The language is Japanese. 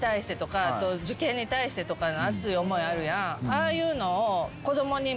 ああいうのを。